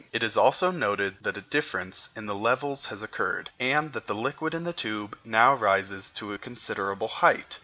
It is also noted that a difference in the levels has occurred, and that the liquid in the tube now rises to a considerable height.